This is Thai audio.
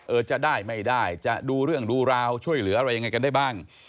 จะได้ไม่ได้จะดูเรื่องดูราวช่วยเหลืออะไรยังไงกันได้บ้าง